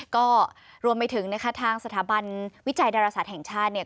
ก็รวมไปถึงนะคะทางสถาบันวิจัยดรสัตว์แห่งชาติ